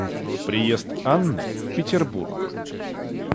Приезд Анны в Петербург.